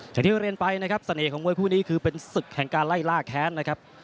อย่างที่เรียนไปนะครับเสน่ห์ของมวยคู่นี้คือเป็นศึกแห่งการไล่ล่าแค้นนะครับ